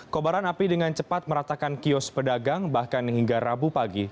kobaran api dengan cepat meratakan kios pedagang bahkan hingga rabu pagi